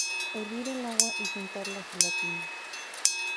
Hervir el agua y juntar la gelatina.